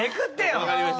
わかりました。